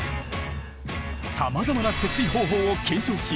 さまざまな節水方法を検証し